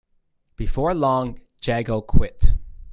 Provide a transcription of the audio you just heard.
Before long, Jago quit.